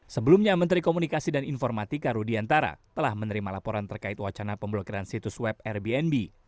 sebelumnya menteri komunikasi dan informatika rudiantara telah menerima laporan terkait wacana pemblokiran situs web airbnb